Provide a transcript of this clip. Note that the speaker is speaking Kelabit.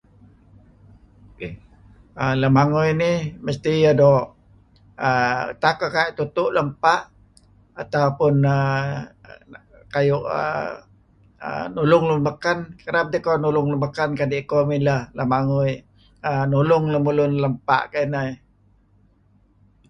Lemangui nih mesti iyeh doo'. Tak narih tutu' lem fa' kayu' uhm tulung lun baken kereb tiko nulung lun baken kadi' iko kereb lemangui nulung lemulun lem bpa' kainai.